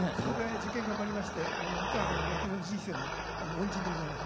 受験を頑張りまして美川さんは私の人生の恩人でございます。